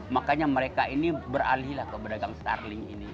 makanya mereka ini beralih lah ke pedagang starling ini